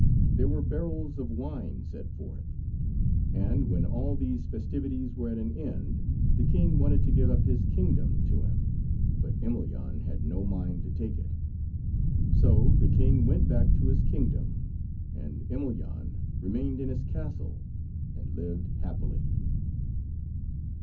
There were barrels of wine set forth; and when all these festivities were at an end, the king wanted to give up his kingdom to him, but Emelyan had no mind to take it. So the king went back to his kingdom, and Emelyan remained in his castle, and lived happily.